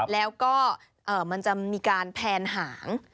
แล้วก็มันจะมีการแพนหาง